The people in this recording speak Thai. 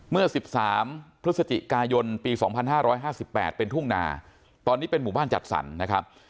เมื่อ๑๓พฤศจิกายนปี๒๕๕๘เป็นทุ่งนาตอนนี้เป็นหมู่บ้านจัดสรรนะครับ